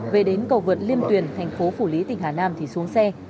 về đến cầu vượt liêm tuyền thành phố phủ lý tỉnh hà nam thì xuống xe